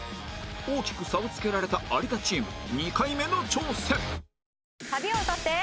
大きく差をつけられた有田チーム２回目の挑戦サビを歌って。